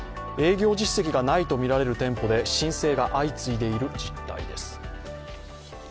営業実績がないとみられる店舗で申請が相次いでいる実態です。